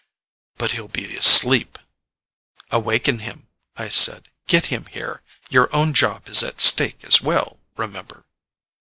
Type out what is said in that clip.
"But he'll be asleep." "Awaken him," I said. "Get him here. Your own job is at stake as well, remember."